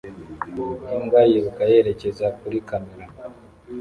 imbwa yiruka yerekeza kuri kamera